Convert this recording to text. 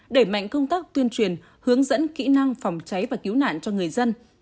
đẩy mạnh công tác tuyên truyền hướng dẫn kỹ năng phòng cháy và cứu nạn cho người dân